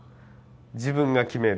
自分が決める